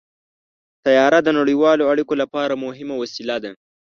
طیاره د نړیوالو اړیکو لپاره مهمه وسیله ده.